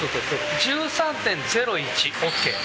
１３．０１、ＯＫ。